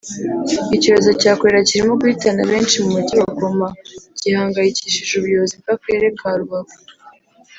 Icyorezo cya kolera kirimo guhitana benshi mu mujyi wa Goma gihangayikishije ubuyobozi bw’akarere ka Rubavu